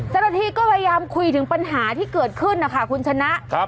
เจ้าหน้าที่ก็พยายามคุยถึงปัญหาที่เกิดขึ้นนะคะคุณชนะ